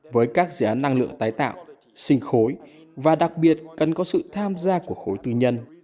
với các dự án năng lượng tái tạo sinh khối và đặc biệt cần có sự tham gia của khối tư nhân